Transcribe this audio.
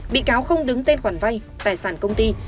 bị cáo không đứng tên khoản vay tài sản công ty